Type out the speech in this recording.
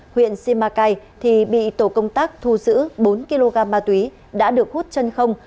huyện simacai thì bị tổ công tác thu giữ bốn kg ma túy đã được hút chân không